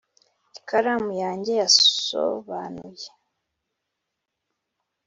ikaramu yanjye yasobanuye,